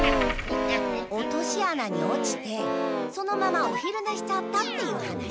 落としあなに落ちてそのままお昼ねしちゃったっていう話。